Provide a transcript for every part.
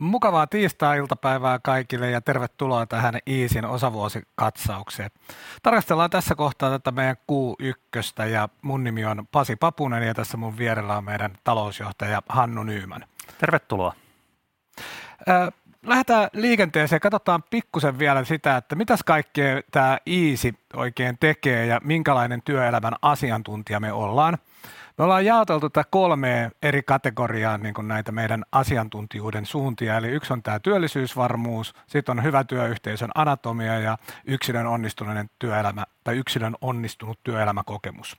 Mukavaa tiistai-iltapäivää kaikille ja tervetuloa tähän Eezyn osavuosikatsaukseen. Tarkastellaan tässä kohtaa tätä meidän Q1 ja mun nimi on Pasi Papunen ja tässä mun vierellä on meidän Talousjohtaja Hannu Nyman. Tervetuloa! Lähdetään liikenteeseen. Katotaan pikkusen vielä sitä, että mitäs kaikkea tää Eezy oikein tekee ja minkälainen työelämän asiantuntija me ollaan. Me ollaan jaoteltu tää kolmeen eri kategoriaan niinkun näitä meidän asiantuntijuuden suuntia. Eli yks on tää työllisyysvarmuus. Sit on hyvä työyhteisön anatomia ja yksilön onnistuneen työelämä tai yksilön onnistunut työelämäkokemus.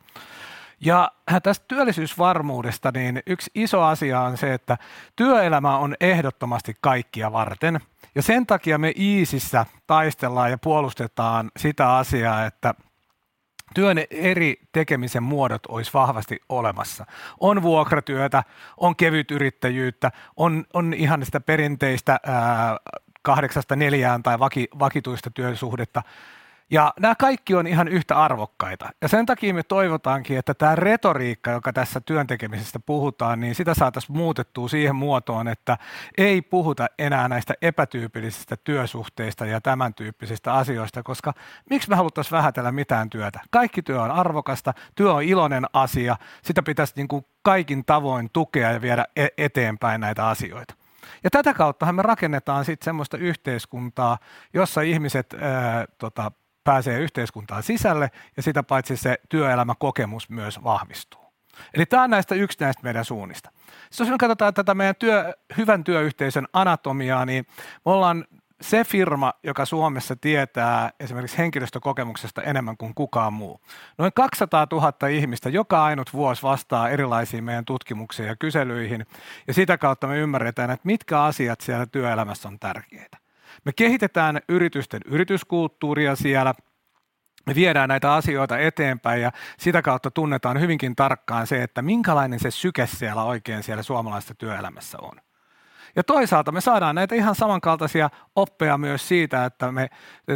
Tästä työllisyysvarmuudesta, niin yks iso asia on se, että työelämä on ehdottomasti kaikkia varten ja sen takia me Eezyssä taistellaan ja puolustetaan sitä asiaa, että työn eri tekemisen muodot ois vahvasti olemassa. On vuokratyötä, on kevytyrittäjyyttä, on ihan sitä perinteistä 8:00-4:00 tai vakituista työsuhdetta. Nää kaikki on ihan yhtä arvokkaita ja sen takii me toivotaanki, että tää retoriikka, joka tässä työn tekemisestä puhutaan, niin sitä saatas muutettuu siihen muotoon, että ei puhuta enää näistä epätyypillistä työsuhteista ja tämän tyyppisistä asioista, koska miks me haluttas vähätellä mitään työtä? Kaikki työ on arvokasta. Työ on iloinen asia. Sitä pitäisi niinku kaikin tavoin tukea ja viedä eteenpäin näitä asioita. Tätä kauttahan me rakennetaan sit semmosta yhteiskuntaa, jossa ihmiset tota pääsee yhteiskuntaan sisälle. Sitä paitsi se työelämäkokemus myös vahvistuu. Tää on näistä yks näist meidän suunnista. Jos nyt katotaan tätä meidän työ hyvän työyhteisön anatomiaa, niin me ollaan se firma, joka Suomessa tietää esimerkiks henkilöstökokemuksesta enemmän kuin kukaan muu. Noin 200,000 ihmistä joka ainut vuos vastaa erilaisiin meidän tutkimuksiin ja kyselyihin, ja sitä kautta me ymmärretään, et mitkä asiat siellä työelämässä on tärkeitä. Me kehitetään yritysten yrityskulttuuria siellä. Me viedään näitä asioita eteenpäin ja sitä kautta tunnetaan hyvinkin tarkkaan se, että minkälainen se syke siellä oikein siellä suomalaisessa työelämässä on. Me saadaan näitä ihan samankaltasia oppeja myös siitä, että me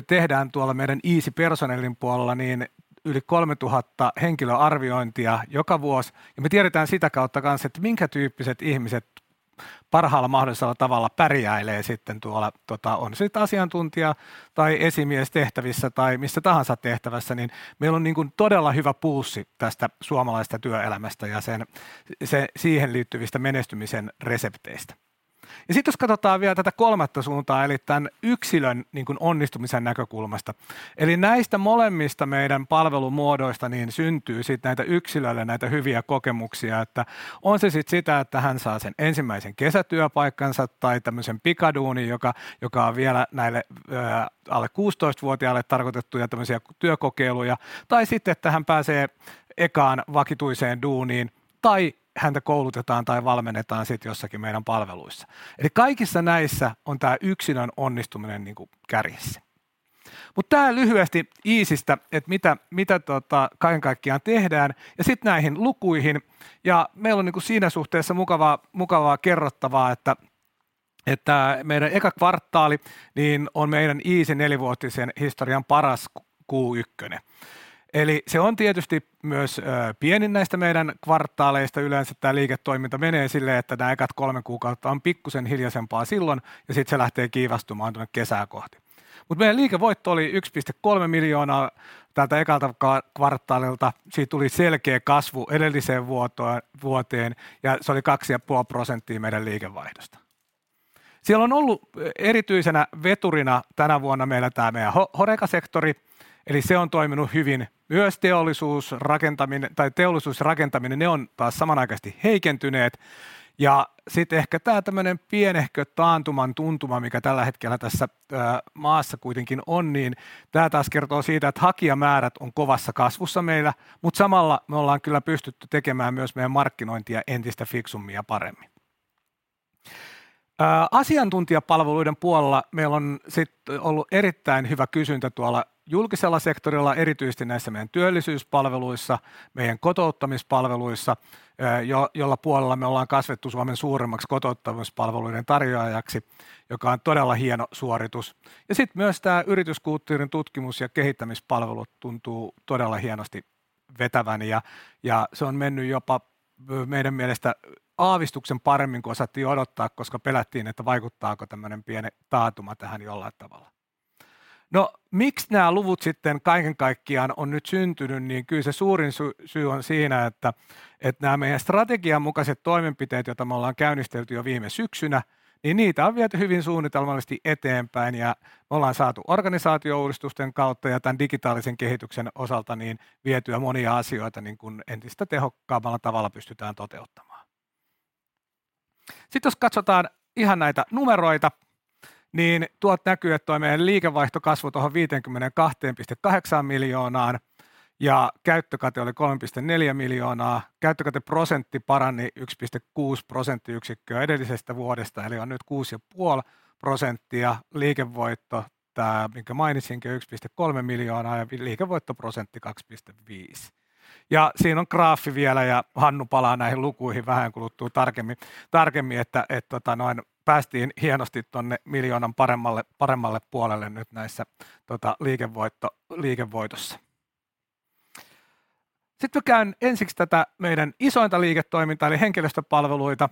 tehdään tuolla meidän Eezy Personnelin puolella niin yli 3,000 henkilöarviointia joka vuos ja me tiedetään sitä kautta kans, et minkä tyyppiset ihmiset parhaalla mahdollisella tavalla pärjäilee sitten tuolla. On se sit asiantuntija- tai esimiestehtävissä tai missä tahansa tehtävässä, niin meil on niinkun todella hyvä pulssi tästä suomalaisesta työelämästä ja sen siihen liittyvistä menestymisen resepteistä. Jos katotaan viä tätä kolmatta suuntaa, eli tän yksilön niinkun onnistumisen näkökulmasta. Näistä molemmista meidän palvelumuodoista niin syntyy sit näitä yksilölle näitä hyviä kokemuksia. On se sit sitä, että hän saa sen ensimmäisen kesätyöpaikkansa tai tämmösen Pikaduunin, joka on vielä näille alle 16-vuotiaille tarkoitettuja tämmösiä työkokeiluja. Et hän pääsee ekaan vakituiseen duuniin tai häntä koulutetaan tai valmennetaan sit jossaki meidän palveluissa. Kaikissa näissä on tää yksilön onnistuminen niinku kärjessä. Tää lyhyesti Eezystä, et mitä kaiken kaikkiaan tehdään. Sit näihin lukuihin. Meil on niinku siinä suhteessa mukavaa kerrottavaa, että meidän eka kvartaali niin on meidän Eezyn nelivuotisen historian paras Q1. Eli se on tietysti myös pienin näistä meidän kvartaaleista. Yleensä tää liiketoiminta menee silleen, että nää ekat kolme kuukautta on pikkusen hiljasempaa sillon ja sit se lähtee kiivastumaan tonne kesää kohti. Meidän liikevoitto oli EUR 1.3 million tältä ekalta kvartaalilta. Siit tuli selkee kasvu edelliseen vuoteen ja se oli 2.5% meidän liikevaihdosta. Siel on ollu erityisenä veturina tänä vuonna meillä tää meidän horeca-sektori, eli se on toiminu hyvin. Myös teollisuus, rakentaminen tai teollisuus ja rakentaminen. Ne on taas samanaikaisesti heikentyneet. Sit ehkä tää tämmönen pienehkö taantuman tuntuma, mikä tällä hetkellä tässä maassa kuitenkin on, niin tää taas kertoo siitä, että hakijamäärät on kovassa kasvussa meillä, mut samalla me ollaan kyllä pystytty tekemään myös meidän markkinointia entistä fiksummin ja paremmin. Asiantuntijapalveluiden puolella meil on sit ollu erittäin hyvä kysyntä tuolla julkisella sektorilla, erityisesti näissä meidän työllisyyspalveluissa, meidän kotouttamispalveluissa, jolla puolella me ollaan kasvettu Suomen suurimmaks kotouttamispalveluiden tarjoajaksi, joka on todella hieno suoritus. Sit myös tää yrityskulttuurin tutkimus- ja kehittämispalvelut tuntuu todella hienosti vetävän ja se on menny jopa meidän mielestä aavistuksen paremmin kun osattiin odottaa, koska pelättiin, että vaikuttaako tämmönen pieni taantuma tähän jollain tavalla. Miksi nämä luvut sitten kaiken kaikkiaan on nyt syntynyt, niin kyllä se suurin syy on siinä, että nämä meidän strategian mukaiset toimenpiteet, joita me ollaan käynnistelty jo viime syksynä, niin niitä on viety hyvin suunnitelmallisesti eteenpäin ja me ollaan saatu organisaatiouudistusten kautta ja tämän digitaalisen kehityksen osalta niin vietyä monia asioita niin kuin entistä tehokkaammalla tavalla pystytään toteuttamaan. Jos katsotaan ihan näitä numeroita, niin tuolta näkyy, että tuo meidän liikevaihto kasvoi tuohon EUR 52.8 miljoonaan ja käyttökate oli EUR 3.4 miljoonaa. Käyttökateprosentti parani 1.6 prosenttiyksikköä edellisestä vuodesta eli on nyt 6.5%. Liikevoitto, tämä minkä mainitsinkin, EUR 1.3 miljoonaa ja liikevoittoprosentti 2.5%. Siinä on graafi vielä ja Hannu palaa näihin lukuihin vähän kuluttuu tarkemmin, että päästiin hienosti tonne EUR 1 millionin paremmalle puolelle nyt näissä EBITissä. Mä käyn ensiks tätä meidän isointa liiketoimintaa eli henkilöstöpalveluita.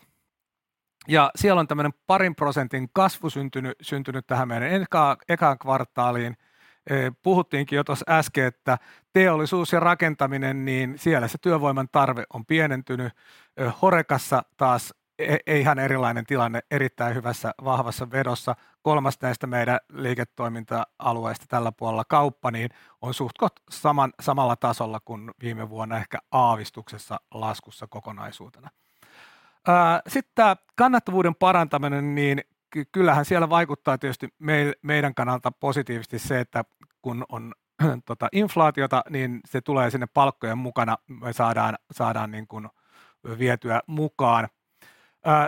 Siellä on tämmönen 2%:n kasvu syntynyt tähän meidän ekaan kvartaaliin. Puhuttiinkin jo tuossa äsken, että teollisuus ja rakentaminen, niin siellä se työvoiman tarve on pienentynyt. HoReCassa taas ihan erilainen tilanne erittäin hyvässä vahvassa vedossa. Kolmas näistä meidän liiketoiminta-alueista tällä puolella kauppa niin on suht koht samalla tasolla kuin viime vuonna, ehkä aavistuksessa laskussa kokonaisuutena. Tämä kannattavuuden parantaminen, niin kyllähän siellä vaikuttaa tietysti meidän kannalta positiivisesti se, että kun on inflaatiota, niin se tulee sinne palkkojen mukana. Me saadaan niin kuin vietyä mukaan.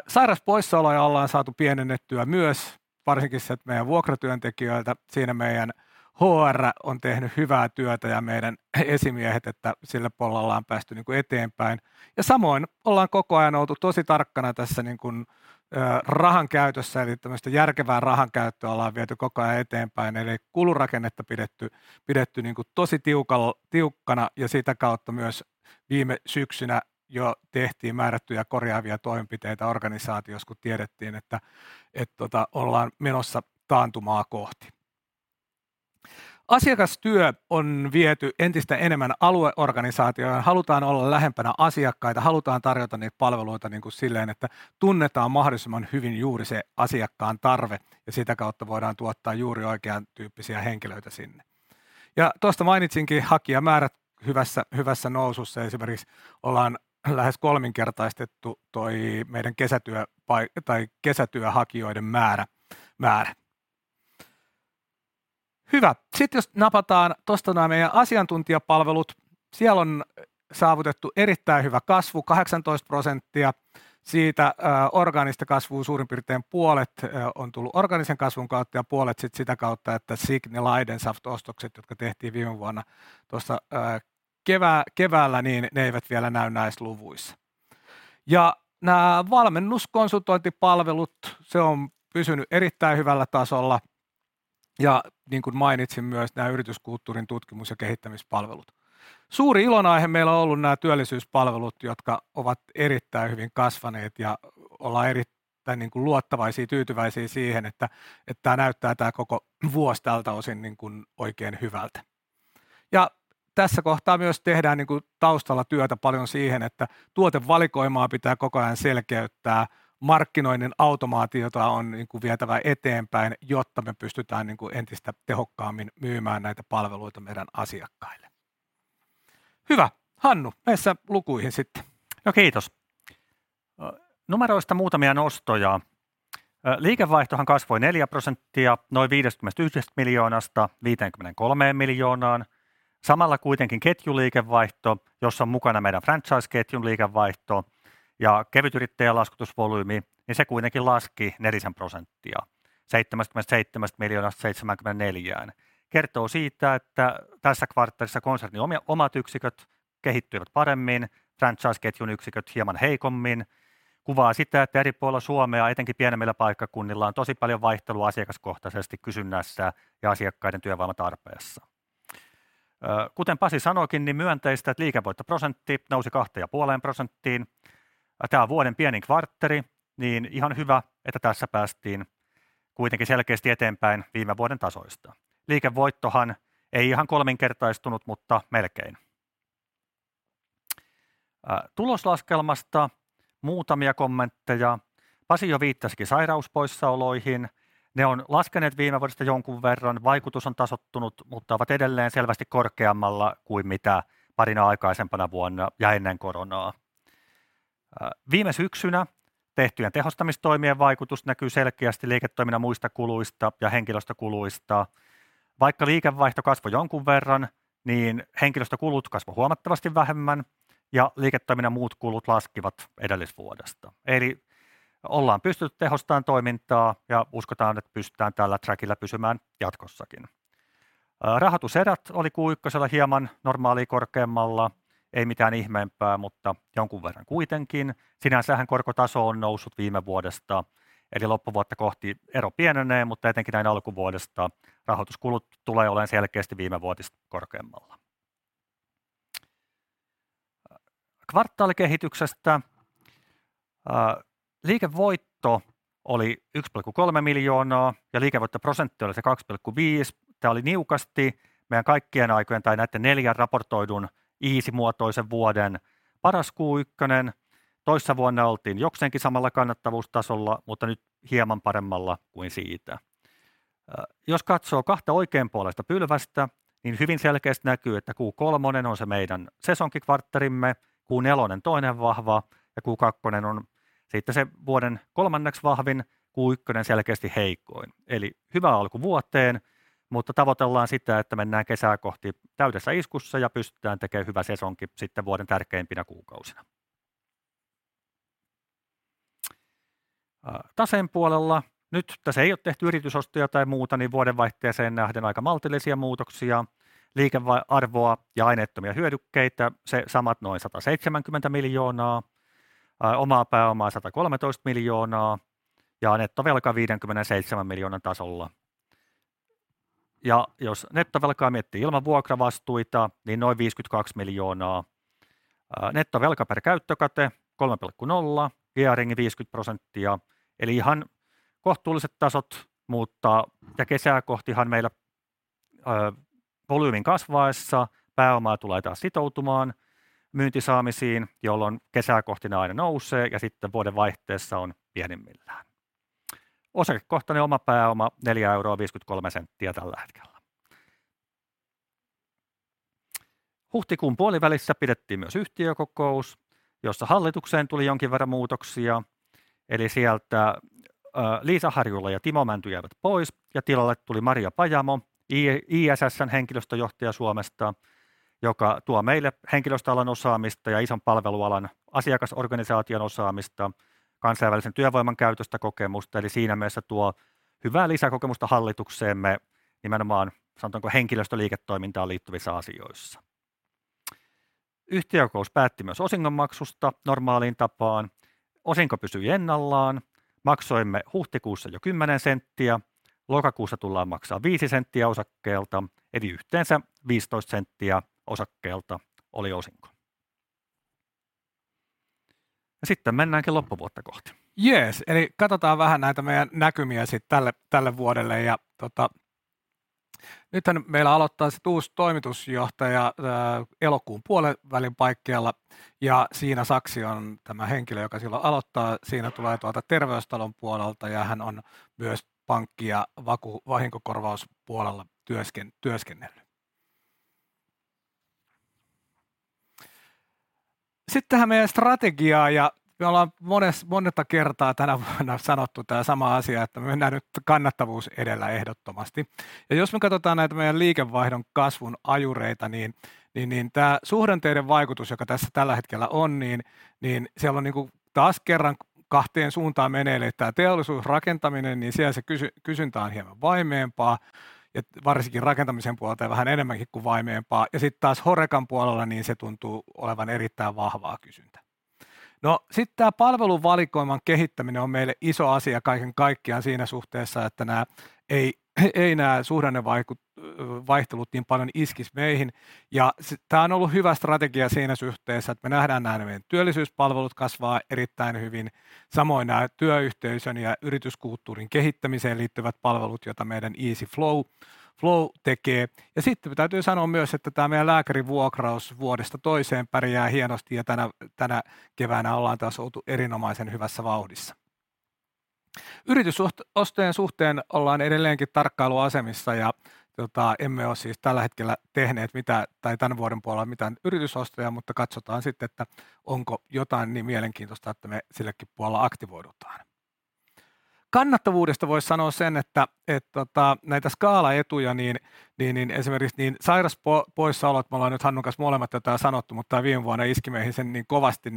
Sairauspoissaoloja ollaan saatu pienennettyä myös varsinkin sieltä meidän vuokratyöntekijöiltä. Siinä meijän HR on tehnyt hyvää työtä ja meidän esimiehet, että sillä puolella on päästy niinku eteenpäin. Samoin ollaan koko ajan oltu tosi tarkkana tässä niinkun rahan käytössä, eli tämmöstä järkevää rahankäyttöä ollaan viety koko ajan eteenpäin, eli kulurakennetta pidetty niinku tosi tiukkana ja sitä kautta myös viime syksynä jo tehtiin määrättyjä korjaavia toimenpiteitä organisaatiossa, kun tiedettiin, että, et tota ollaan menossa taantumaa kohti. Asiakastyö on viety entistä enemmän alueorganisaatioon. Halutaan olla lähempänä asiakkaita, halutaan tarjota niit palveluita niinku silleen, että tunnetaan mahdollisimman hyvin juuri se asiakkaan tarve ja sitä kautta voidaan tuottaa juuri oikean tyyppisiä henkilöitä sinne. Tosta mainitsinkin hakijamäärät hyvässä nousussa esimerkiksi ollaan lähes 3-kertaistettu toi meidän kesätyöhakijoiden määrä. Hyvä. Sit jos napataan tosta nää meijän asiantuntijapalvelut. Siel on saavutettu erittäin hyvä kasvu, 18% siitä orgaanista kasvua suurin piirtein puolet on tullut orgaanisen kasvun kautta ja puolet sit sitä kautta, että Siqni ja Leidenschaft -ostokset, jotka tehtiin viime vuonna tossa keväällä, niin ne eivät vielä näy näis luvuissa. Nää valmennuskonsultointipalvelut. Se on pysynyt erittäin hyvällä tasolla. Niin kun mainitsin myös nää yrityskulttuurin tutkimus ja kehittämispalvelut. Suuri ilonaihe meillä on ollut nää työllisyyspalvelut, jotka ovat erittäin hyvin kasvaneet ja ollaan erittäin niinku luottavaisia tyytyväisiä siihen, että tää näyttää tää koko vuosi tältä osin niinkun oikein hyvältä. Tässä kohtaa myös tehdään niinku taustalla työtä paljon siihen, että tuotevalikoimaa pitää koko ajan selkeyttää. Markkinoinnin automaatiota on niinku vietävä eteenpäin, jotta me pystytään niinku entistä tehokkaammin myymään näitä palveluita meidän asiakkaille. Hyvä Hannu, mee sä lukuihin sitten. No kiitos! Numeroista muutamia nostoja. Liikevaihtohan kasvoi 4% noin EUR 51 miljoonasta EUR 53 miljoonaan. Samalla kuitenkin ketjuliikevaihto, jossa on mukana meidän franchiseketjun liikevaihto ja kevytyrittäjä laskutusvolyymi, niin se kuitenkin laski 4% EUR 77 miljoonasta EUR 74 miljoonaan. Kertoo siitä, että tässä kvartaalissa konsernin omat yksiköt kehittyivät paremmin, franchiseketjun yksiköt hieman heikommin. Kuvaa sitä, että eri puolilla Suomea, etenkin pienemmillä paikkakunnilla on tosi paljon vaihtelua asiakaskohtasesti kysynnässä ja asiakkaiden työvoimatarpeessa. Kuten Pasi sanoikin, niin myönteistä, että liikevoittoprosentti nousi 2.5%. Tää on vuoden pienin kvartteri, niin ihan hyvä, että tässä päästiin kuitenkin selkeästi eteenpäin viime vuoden tasoista. Liikevoittohan ei ihan kolminkertaistunut, mutta melkein. Tuloslaskelmasta muutamia kommentteja. Pasi jo viittasikin sairauspoissaoloihin. Ne on laskeneet viime vuodesta jonkun verran. Vaikutus on tasoittunut, mutta ovat edelleen selvästi korkeammalla kuin mitä parina aikaisempana vuonna ja ennen koronaa. Viime syksynä tehtyjen tehostamistoimien vaikutus näkyy selkeästi liiketoiminnan muista kuluista ja henkilöstökuluista. Vaikka liikevaihto kasvoi jonkun verran, niin henkilöstökulut kasvoi huomattavasti vähemmän ja liiketoiminnan muut kulut laskivat edellisvuodesta. Ollaan pystytty tehostaan toimintaa ja uskotaan, että pystytään tällä träkillä pysymään jatkossakin. Rahoituserät oli Q1:llä hieman normaalia korkeammalla. Ei mitään ihmeempää, mutta jonkun verran kuitenkin. Sinänsähän korkotaso on noussut viime vuodesta, loppuvuotta kohti ero pienenee, etenkin näin alkuvuodesta rahoituskulut tulee oleen selkeästi viimevuotista korkeammalla. Kvartaalikehityksestä. Liikevoitto oli EUR 1.3 miljoonaa ja liikevoittoprosentti oli se 2.5%. Tää oli niukasti meidän kaikkien aikojen tai näitten neljän raportoidun Eezy-muotoisen vuoden paras Q1. Toissa vuonna oltiin jokseenkin samalla kannattavuustasolla, nyt hieman paremmalla kuin siitä. Jos katsoo kahta oikeenpuoleista pylvästä, hyvin selkeästi näkyy, Q3 on se meidän sesonkikvartterimme, Q4 toinen vahva ja Q2 on sitten se vuoden kolmanneks vahvin, Q1 selkeästi heikoin. Hyvä alku vuoteen, tavoitellaan sitä, että mennään kesää kohti täydessä iskussa ja pystytään tekeen hyvä sesonki sitten vuoden tärkeimpinä kuukausina. Taseen puolella nyt tässä ei oo tehty yritysostoja tai muuta, vuodenvaihteeseen nähden aika maltillisia muutoksia. Liikearvoa ja aineettomia hyödykkeitä se samat noin EUR 170 miljoonaa, omaa pääomaa EUR 113 miljoonaa ja nettovelka EUR 57 miljoonan tasolla. Jos nettovelka miettii ilman vuokravastuita, niin noin EUR 52 miljoonaa. Nettovelka per käyttökate 3.0, gearing 50% eli ihan kohtuulliset tasot. Kesää kohtihan meillä volyymin kasvaessa pääomaa tulee taas sitoutumaan myyntisaamisiin, jolloin kesää kohti nää aina nousee ja sitten vuodenvaihteessa on pienimmillään. Osakekohtainen oma pääoma EUR 4.53 tällä hetkellä. Huhtikuun puolivälissä pidettiin myös yhtiökokous, jossa hallitukseen tuli jonkin verran muutoksia. Sieltä Liisa Harjula ja Timo Mänty jäivät pois ja tilalle tuli Maria Pajamo, ISSn HR Director Suomesta, joka tuo meille henkilöstöalan osaamista ja ison palvelualan asiakasorganisaation osaamista, kansainvälisen työvoiman käytöstä kokemusta eli siinä mielessä tuo hyvää lisäkokemusta hallitukseemme nimenomaan sanotaanko henkilöstöliiketoimintaan liittyvissä asioissa. Yhtiökokous päätti myös osingonmaksusta normaaliin tapaan. Osinko pysyi ennallaan. Maksoimme huhtikuussa jo EUR 0.10. Lokakuussa tullaan maksamaan EUR 0.05 osakkeelta. Yhteensä EUR 0.15 osakkeelta oli osinko. Mennäänkin loppuvuotta kohti. Jees, eli katsotaan vähän näitä meidän näkymiä sitten tälle vuodelle. Nythän meillä aloittaa sitten uusi toimitusjohtaja elokuun puolenvälin paikkeilla. Siina Saksi on tämä henkilö, joka silloin aloittaa. Siina tulee tuolta Terveystalon puolelta ja hän on myös pankki ja vahinkokorvauspuolella työskennellyt. Tähän meidän strategiaan. Me ollaan monetta kertaa tänä vuonna sanottu tää sama asia, että mennään nyt kannattavuus edellä ehdottomasti. Jos me katsotaan näitä meidän liikevaihdon kasvun ajureita, niin tää suhdanteiden vaikutus, joka tässä tällä hetkellä on, niin siellä on niinku taas kerran kahteen suuntaan meneviä. Tää teollisuus, rakentaminen, niin siellä se kysyntä on hieman vaimeempaa ja varsinkin rakentamisen puolelta ja vähän enemmänkin kuin vaimeempaa. Sitten taas HoReCan puolella, niin se tuntuu olevan erittäin vahvaa kysyntä. Palveluvalikoiman kehittäminen on meille iso asia kaiken kaikkiaan siinä suhteessa, että nää ei nää vaihtelut niin paljon iskisi meihin. Tää on ollut hyvä strategia siinä suhteessa, että me nähdään nää meidän työllisyyspalvelut kasvaa erittäin hyvin. Samoin nää työyhteisön ja yrityskulttuurin kehittämiseen liittyvät palvelut, joita meidän Eezy Flow tekee. Täytyy sanoa myös, että tää meidän lääkärivuokraus vuodesta toiseen pärjää hienosti ja tänä keväänä ollaan taas oltu erinomaisen hyvässä vauhdissa. Yritysostojen suhteen ollaan edelleenkin tarkkailuasemissa ja emme oo siis tällä hetkellä tehneet mitään tai tän vuoden puolella mitään yritysostoja, katsotaan sitten, että onko jotain niin mielenkiintoista, että me silläkin puolella aktivoidutaan. Kannattavuudesta vois sanoa sen, että et näitä skaalaetuja niin esimerkiksi sairaspoissaolot. Me ollaan nyt Hannun kanssa molemmat tätä sanottu, viime vuonna iski meihin se niin kovasti,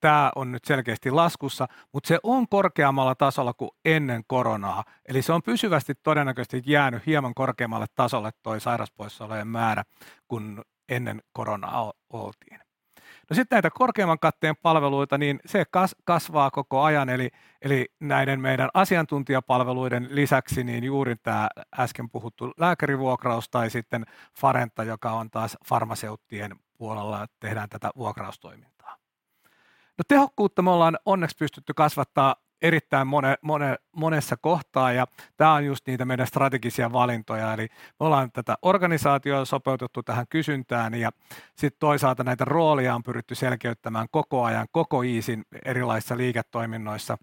tää on nyt selkeesti laskussa, se on korkeammalla tasolla kuin ennen koronaa. Se on pysyvästi todennäköisesti jääny hieman korkeammalle tasolle toi sairaspoissaolojen määrä kun ennen koronaa oltiin. No sitten näitä korkeamman katteen palveluita, niin se kasvaa koko ajan. Eli näiden meidän asiantuntijapalveluiden lisäksi niin juuri tää äsken puhuttu lääkärivuokraus tai sitten Farenta, joka on taas farmaseuttien puolella tehdään tätä vuokraustoimintaa. No tehokkuutta me ollaan onneks pystytty kasvattaa erittäin monessa kohtaa ja tää on just niitä meidän strategisia valintoja. Eli me ollaan tätä organisaatiota sopeutettu tähän kysyntään ja sit toisaalta näitä rooleja on pyritty selkeyttämään koko ajan koko Eezyn erilaisissa liiketoiminnoissa.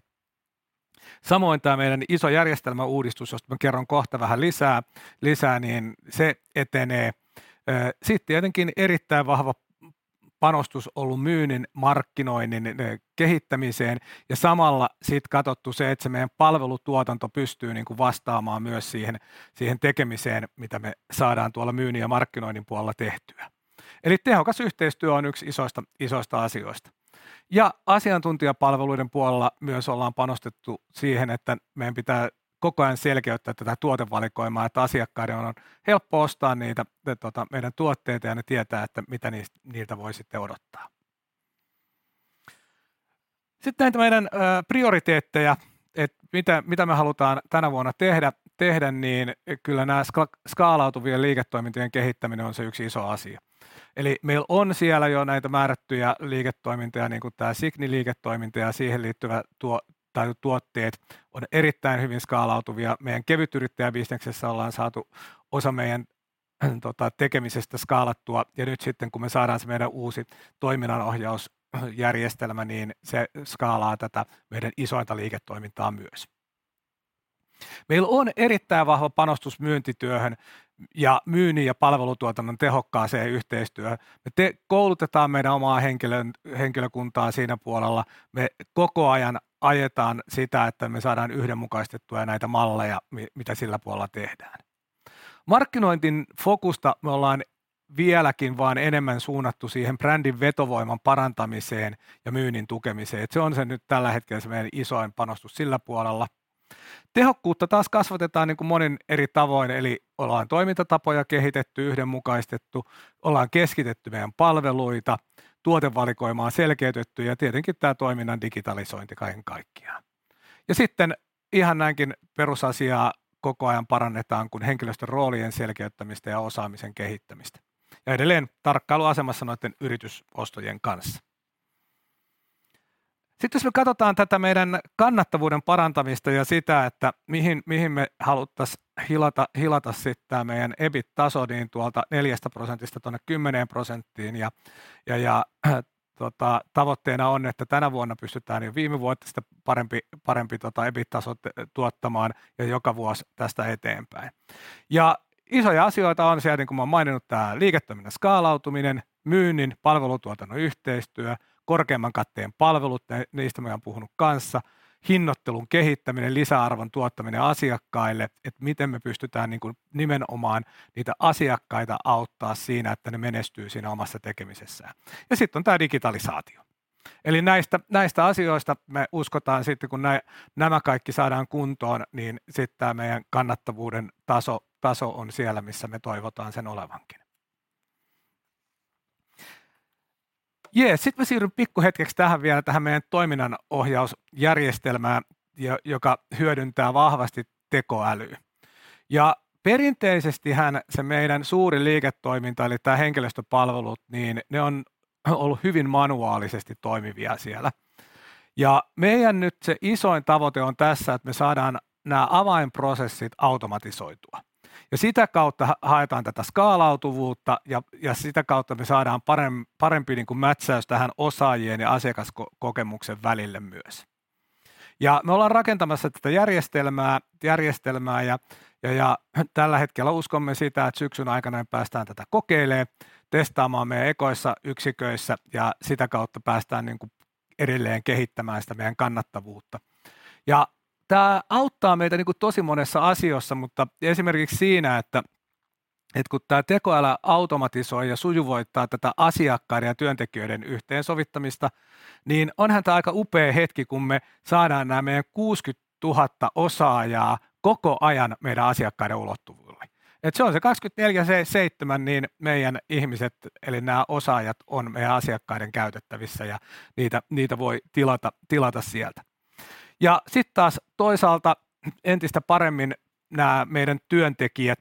Samoin tää meidän iso järjestelmäuudistus, josta mä kerron kohta vähän lisää niin se etenee. Sit tietenkin erittäin vahva panostus ollu myynnin markkinoinnin kehittämiseen ja samalla sit katottu se, et se meidän palvelutuotanto pystyy niinku vastaamaan myös siihen tekemiseen, mitä me saadaan tuolla myynnin ja markkinoinnin puolella tehtyä. Eli tehokas yhteistyö on yks isoista asioista. Asiantuntijapalveluiden puolella myös ollaan panostettu siihen, että meidän pitää koko ajan selkeyttää tätä tuotevalikoimaa, että asiakkaiden on helppo ostaa niitä tota meidän tuotteita ja ne tietää, että mitä niiltä voi sitten odottaa. Näitä meidän prioriteetteja, et mitä me halutaan tänä vuonna tehdä, niin kyllä nää skaalautuvien liiketoimintojen kehittäminen on se yksi iso asia. Meil on siellä jo näitä määrättyjä liiketoimintoja niinku tää Siqni-liiketoiminta ja siihen liittyvä tuo tai tuotteet on erittäin hyvin skaalautuvia. Meidän kevytyrittäjäbisneksessä ollaan saatu osa meidän tota tekemisestä skaalattua ja nyt sitten kun me saadaan se meidän uusi toiminnanohjaus järjestelmä, niin se skaalaa tätä meidän isointa liiketoimintaa myös. Meil on erittäin vahva panostus myyntityöhön ja myynnin ja palvelutuotannon tehokkaaseen yhteistyöhön. Me koulutetaan meidän omaa henkilökuntaa siinä puolella. Me koko ajan ajetaan sitä, että me saadaan yhdenmukaistettua näitä malleja, mitä sillä puolella tehdään. Markkinoinnin fokusta me ollaan vieläkin vaan enemmän suunnattu siihen brändin vetovoiman parantamiseen ja myynnin tukemiseen. Se on se nyt tällä hetkellä se meidän isoin panostus sillä puolella. Tehokkuutta taas kasvatetaan niinku monin eri tavoin. Ollaan toimintatapoja kehitetty, yhdenmukaistettu, ollaan keskitetty meidän palveluita, tuotevalikoimaa selkeytetty ja tietenkin tää toiminnan digitalisointi kaiken kaikkiaan. Sitten ihan näinkin perusasiaa koko ajan parannetaan kuin henkilöstön roolien selkeyttämistä ja osaamisen kehittämistä. Edelleen tarkkailuasemassa noitten yritysostojen kanssa. Sitten jos me katotaan tätä meidän kannattavuuden parantamista ja sitä, että mihin me haluttais hilata sitten tää meidän EBIT-taso, niin tuolta 4% tuonne 10%. Tavoitteena on, että tänä vuonna pystytään jo viime vuotta parempi EBIT-taso tuottamaan ja joka vuosi tästä eteenpäin. Isoja asioita on siellä, niin kuin olen maininnut, tämä liiketoiminnan skaalautuminen, myynnin ja palvelutuotannon yhteistyö, korkeamman katteen palvelut. Niistä mä olen puhunut kanssa. Hinnoittelun kehittäminen, lisäarvon tuottaminen asiakkaille. Miten me pystytään nimenomaan niitä asiakkaita auttaa siinä, että ne menestyy siinä omassa tekemisessään. On tää digitalisaatio. Näistä asioista me uskotaan. Kun nämä kaikki saadaan kuntoon, tää meidän kannattavuuden taso on siellä, missä me toivotaan sen olevankin. Mä siirryn pikku hetkeksi tähän vielä tähän meidän toiminnanohjausjärjestelmään, joka hyödyntää vahvasti tekoälyä. Perinteisestihän se meidän suuri liiketoiminta, tää henkilöstöpalvelut, ne on ollut hyvin manuaalisesti toimivia siellä. Meidän nyt se isoin tavoite on tässä, että me saadaan nää avainprosessit automatisoitua, sitä kautta haetaan tätä skaalautuvuutta, sitä kautta me saadaan parempi mätsäys tähän osaajien ja asiakaskokemuksen välille myös. Me ollaan rakentamassa tätä järjestelmää, ja tällä hetkellä uskomme sitä, että syksyn aikana päästään tätä kokeilemaan, testaamaan meidän ekoissa yksiköissä, ja sitä kautta päästään, niinkun, edelleen kehittämään sitä meidän kannattavuutta. Tää auttaa meitä, niinkun, tosi monessa asiassa, mutta esimerkiksi siinä, että, et kun tää tekoäly automatisoi ja sujuvoittaa tätä asiakkaiden ja työntekijöiden yhteensovittamista, niin onhan tää aika upee hetki, kun me saadaan nää meidän 60,000 osaajaa koko ajan meidän asiakkaiden ulottuville. Se on se 24/7, niin meidän ihmiset eli nää osaajat on meidän asiakkaiden käytettävissä ja niitä voi tilata sieltä. Sitten taas toisaalta entistä paremmin nää meidän työntekijät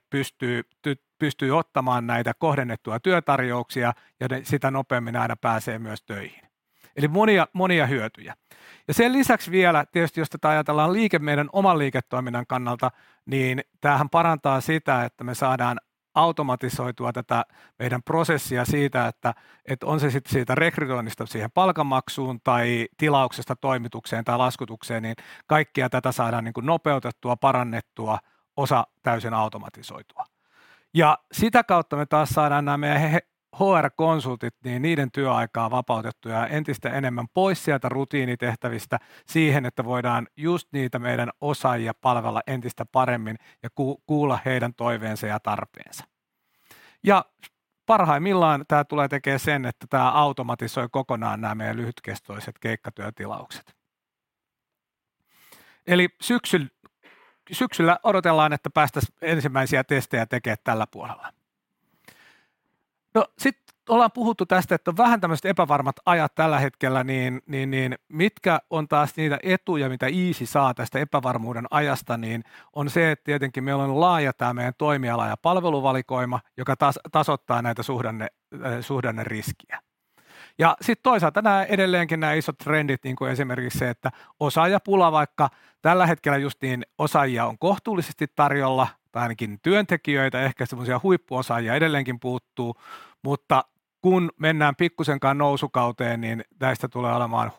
pystyy ottamaan näitä kohdennettuja työtarjouksia ja sitä nopeammin aina pääsee myös töihin. Monia hyötyjä. Sen lisäksi vielä tietysti jos tätä ajatellaan meidän oman liiketoiminnan kannalta, niin tämähän parantaa sitä, että me saadaan automatisoitua tätä meidän prosessia siitä, että, et on se sitten siitä rekrytoinnista siihen palkanmaksuun tai tilauksesta toimitukseen tai laskutukseen, niin kaikkea tätä saadaan, niinkun, nopeutettua, parannettua, osa täysin automatisoitua. Sitä kautta me taas saadaan nää meidän he-HR-konsultit, niin niiden työaikaa vapautettua entistä enemmän pois sieltä rutiinitehtävistä siihen, että voidaan just niitä meidän osaajia palvella entistä paremmin ja kuulla heidän toiveensa ja tarpeensa. Parhaimmillaan tää tulee tekemään sen, että tää automatisoi kokonaan nää meidän lyhytkestoiset keikkatyötilaukset. Syksyllä odotellaan, että päästäis ensimmäisiä testejä tekee tällä puolella. Sitten ollaan puhuttu tästä, että on vähän tämmöiset epävarmat ajat tällä hetkellä, niin mitkä on taas niitä etuja mitä Eezy saa tästä epävarmuuden ajasta, niin on se, että tietenkin meillä on laaja tää meidän toimiala ja palveluvalikoima, joka taas tasoittaa näitä suhdanneriskejä. Sitten toisaalta nää edelleenkin nää isot trendit, niinkun esimerkiksi se, että osaajapula, vaikka tällä hetkellä justiin osaajia on kohtuullisesti tarjolla tai ainakin työntekijöitä. Ehkä semmoisia huippuosaajia edelleenkin puuttuu, mutta kun mennään pikkuisenkaan nousukauteen, niin näistä tulee olemaan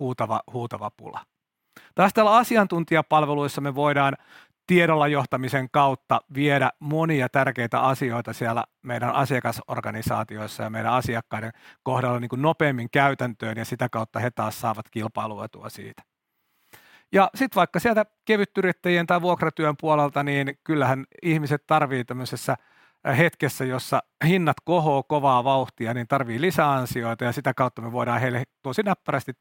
huutava pula. Taas täällä asiantuntijapalveluissa me voidaan tiedolla johtamisen kautta viedä monia tärkeitä asioita siellä meidän asiakasorganisaatioissa ja meidän asiakkaiden kohdalla, niinkun nopeammin käytäntöön ja sitä kautta he taas saavat kilpailuetua siitä. Sitten vaikka sieltä kevytyrittäjien tai vuokratyön puolelta, niin kyllähän ihmiset tarvii tämmöisessä hetkessä, jossa hinnat kohoo kovaa vauhtia, niin tarvii lisäansioita, ja sitä kautta me voidaan heille tosi näppärästi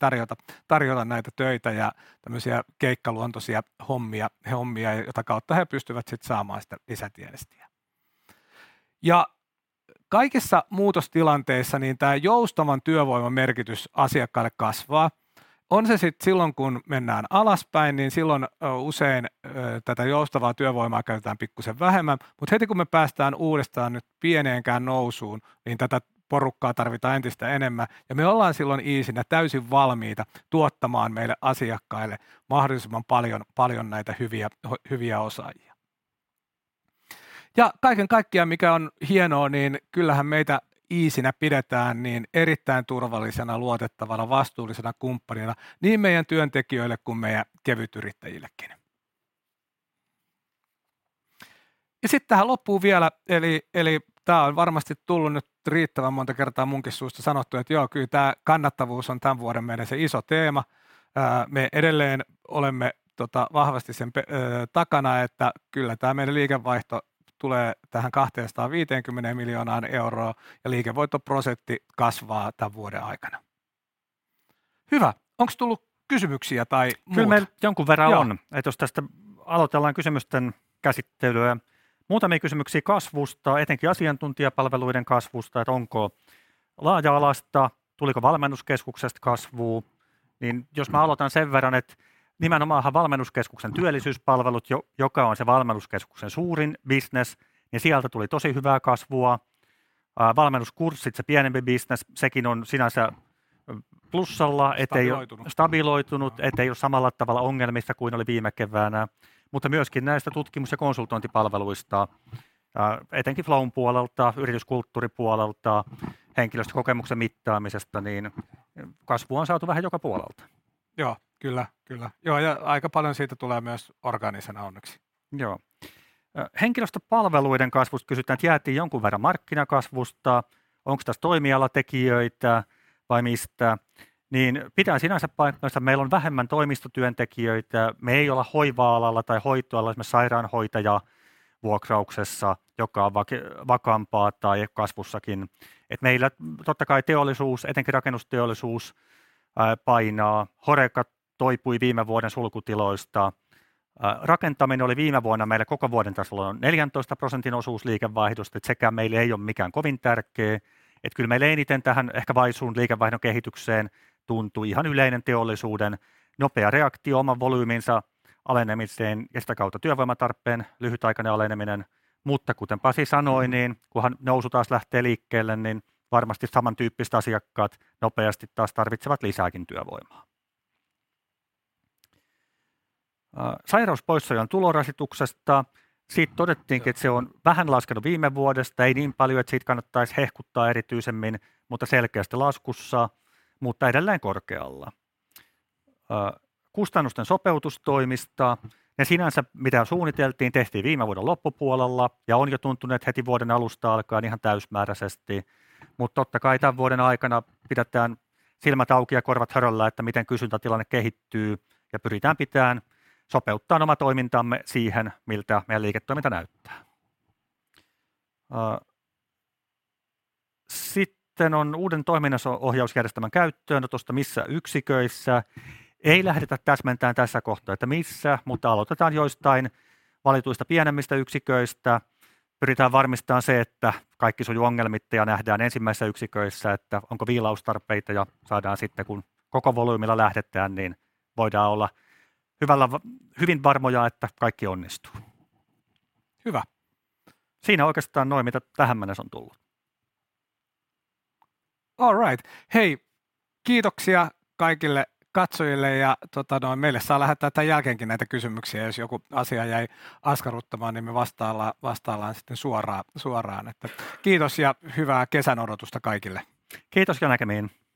tarjota näitä töitä ja tämmöisiä keikkaluontoisia hommia, jota kautta he pystyvät sitten saamaan sitä lisätienestiä. Kaikissa muutostilanteissa, niin tää joustavan työvoiman merkitys asiakkaille kasvaa. On se sitten silloin kun mennään alaspäin, niin silloin usein tätä joustavaa työvoimaa käytetään pikkuisen vähemmän, mutta heti kun me päästään uudestaan nyt pieneenkään nousuun, niin tätä porukkaa tarvitaan entistä enemmän ja me ollaan silloin Eezynä täysin valmiita tuottamaan meille asiakkaille mahdollisimman paljon näitä hyviä osaajia. Kaiken kaikkiaan mikä on hienoa, niin kyllähän meitä Eezynä pidetään niin erittäin turvallisena, luotettavana, vastuullisena kumppanina niin meidän työntekijöille kuin meidän kevytyrittäjillekin. Sitten tähän loppuun vielä. Eli tää on varmasti tullut nyt riittävän monta kertaa munkin suusta sanottua, että joo, kyllä tää kannattavuus on tämän vuoden meillä se iso teema. Me edelleen olemme vahvasti sen takana, että kyllä tää meidän liikevaihto tulee tähän EUR 250 million ja liikevoittoprosentti kasvaa tämän vuoden aikana. Hyvä. Onko tullut kysymyksiä tai muuta? Kyllä meillä jonkun verran on. Aloitellaan kysymysten käsittelyä. Muutamia kysymyksiä kasvusta, etenkin asiantuntijapalveluiden kasvusta, että onko laaja-alaista? Tuliko Eezy Valmennuskeskuksesta kasvua? Jos mä aloitan sen verran, että nimenomaanhan Eezy Valmennuskeskuksen työllisyyspalvelut, joka on se Eezy Valmennuskeskuksen suurin bisnes, niin sieltä tuli tosi hyvää kasvua. Valmennuskurssit. Se pienempi bisnes. Sekin on sinänsä plussalla, ettei ole stabiloitunut, ettei ole samalla tavalla ongelmissa kuin oli viime keväänä. Myöskin näistä tutkimus ja konsultointipalveluista, etenkin Eezy Flow'n puolelta, yrityskulttuuripuolelta, henkilöstökokemuksen mittaamisesta, niin kasvua on saatu vähän joka puolelta. Joo kyllä joo. Aika paljon siitä tulee myös orgaanisena. Onneksi. Joo. Henkilöstöpalveluiden kasvusta kysytään, että jäätiin jonkun verran markkinakasvusta. Onko tässä toimialatekijöitä vai mistä? Pitää sinänsä painottaa, että meillä on vähemmän toimistotyöntekijöitä. Me ei olla hoiva-alalla tai hoitoalalla esimerkiksi sairaanhoitajavuokrauksessa, joka on vakaampaa tai kasvussakin. Meillä totta kai teollisuus, etenkin rakennusteollisuus painaa. HoReCa toipui viime vuoden sulkutiloista. Rakentaminen oli viime vuonna meillä koko vuoden tasolla 14% osuus liikevaihdosta. Sekään meille ei ole mikään kovin tärkeä. Kyllä meillä eniten tähän ehkä vaisuun liikevaihdon kehitykseen tuntui ihan yleinen teollisuuden nopea reaktio oman volyyminsa alenemiseen ja sitä kautta työvoimatarpeen lyhytaikainen aleneminen. Kuten Pasi sanoi, niin kunhan nousu taas lähtee liikkeelle, niin varmasti samantyyppiset asiakkaat nopeasti taas tarvitsevat lisääkin työvoimaa. Sairauspoissaolojen tulorasituksesta. Siit todettiinkin, että se on vähän laskenut viime vuodesta. Ei niin paljon, että siitä kannattaisi hehkuttaa erityisemmin, mutta selkeästi laskussa, mutta edelleen korkealla. Kustannusten sopeutustoimista. Ne sinänsä mitä suunniteltiin, tehtiin viime vuoden loppupuolella ja on jo tuntunut, että heti vuoden alusta alkaen ihan täysimääräisesti. Totta kai tämän vuoden aikana pidetään silmät auki ja korvat höröllä, että miten kysyntätilanne kehittyy ja pyritään sopeuttaa oma toimintamme siihen, miltä meidän liiketoiminta näyttää. Uuden toiminnanohjausjärjestelmän käyttöönotosta. Missä yksiköissä? Ei lähdetä täsmentämään tässä kohtaa, että missä, mutta aloitetaan joistain valituista pienemmistä yksiköistä. Pyritään varmistamaan se, että kaikki sujuu ongelmitta ja nähdään ensimmäisissä yksiköissä, että onko viilaustarpeita ja saadaan sitten kun koko volyymilla lähdetään, niin voidaan olla hyvällä hyvin varmoja, että kaikki onnistuu. Hyvä. Siinä oikeastaan nuo mitä tähän mennessä on tullut. All right. Hei, kiitoksia kaikille katsojille ja tota noin meille saa lähettää tän jälkeenkin näitä kysymyksiä. Jos joku asia jäi askarruttamaan, niin me vastaillaan sitten suoraan suoraan. Kiitos ja hyvää kesän odotusta kaikille! Kiitos ja näkemiin!